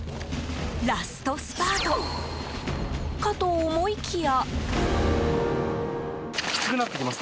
ラストスパート！かと思いきや。